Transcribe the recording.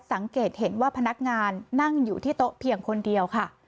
สังเกตเห็นว่าพนักงานนั่งอยู่ที่โต๊ะเพียงคนเดียวค่ะ